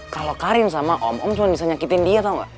kalo karin sama om om cuma bisa nyakitin dia tau gak